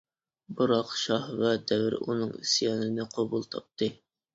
بىراق، شاھ ۋە دەۋر ئۇنىڭ ئىسيانىنى قوبۇل تاپتى.